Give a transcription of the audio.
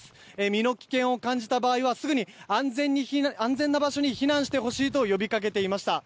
身の危険を感じた場合は、すぐに安全な場所に避難してほしいと呼びかけていました。